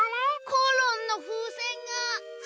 コロンのふうせんが。